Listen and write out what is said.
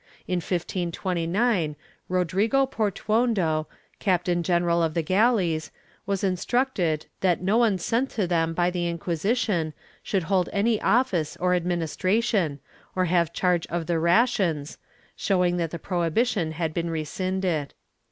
In 1529, Rodrigo Portuondo, captain general of the galleys, was instructed that no one sent to them by the Inquisition should hold any office or administration, or have charge of the rations, showing that the prohibition had been rescinded.